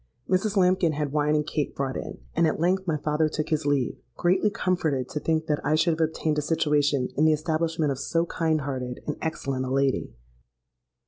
Mrs. Lambkin had wine and cake brought in; and at length my father took his leave, greatly comforted to think that I should have obtained a situation in the establishment of so kind hearted and excellent a lady.